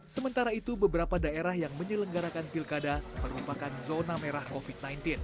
sementara itu beberapa daerah yang menyelenggarakan pilkada merupakan zona merah covid sembilan belas